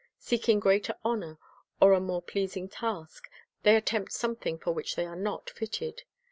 Seeking greater honor or a more pleasing task, they attempt something for which they are not fitted.